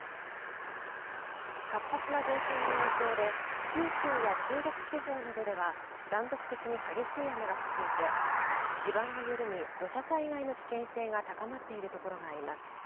活発な前線の影響で九州や中国地方などでは断続的に激しい雨が降っていて、地盤が緩み、土砂災害の危険性が高まっている所があります。